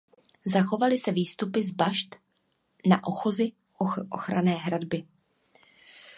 Zachovaly se výstupy z bašt na ochozy ochranné hradby.